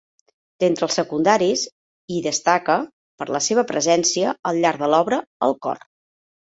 D'entre els secundaris, hi destaca, per la seva presència al llarg de l'obra, el cor.